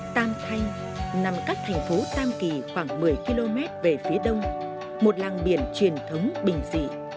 tam thanh nằm cách thành phố tam kỳ khoảng một mươi km về phía đông một làng biển truyền thống bình dị